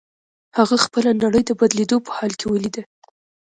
هغه خپله نړۍ د بدلېدو په حال کې وليده.